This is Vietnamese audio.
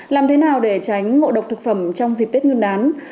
làm thế nào để tránh ngộ độc thực phẩm trong dịp tết nguyên đán